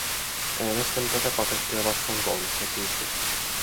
Äänestän tätä pakettia vastaan kolmesta syystä.